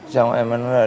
xong em nói là